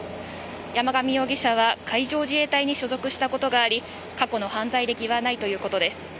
山上容疑者は海上自衛隊に所属したことがあり過去の犯罪歴はないということです。